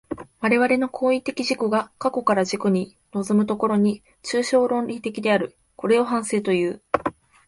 我々の行為的自己が過去から自己に臨む所に、抽象論理的である。これを反省という。